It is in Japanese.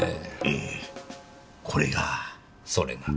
ええこれが。それが。